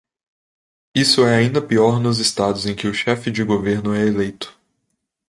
Isso é ainda pior nos estados em que o chefe de governo é eleito.